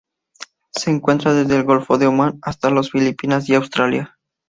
Se encuentra desde el Golfo de Omán hasta las Filipinas y Australia.